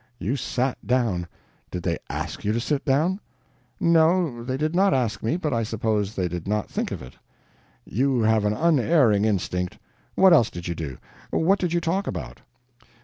You sat down. Did they ASK you to sit down?" "No, they did not ask me, but I suppose they did not think of it." "You have an unerring instinct. What else did you do? What did you talk about?"